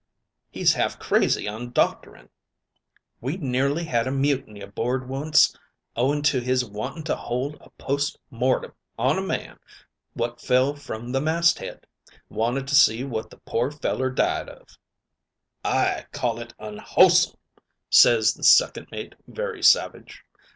'He's half crazy on doctoring. We nearly had a mutiny aboard once owing to his wanting to hold a post mortem on a man what fell from the mast head. Wanted to see what the poor feller died of.' "'I call it unwholesome,' ses the second mate very savage.